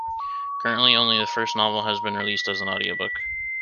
Currently, only the first novel has been released as an audiobook.